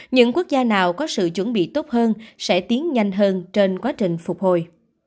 những quốc gia nào có sự chuẩn bị tốt hơn sẽ tiến nhanh hơn trên quá trình phục hồi